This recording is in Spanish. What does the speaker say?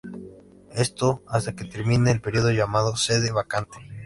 Esto, hasta que termine el periodo llamado Sede Vacante.